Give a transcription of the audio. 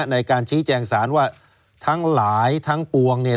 ในการชี้แจงสารว่าทั้งหลายทั้งปวงเนี่ย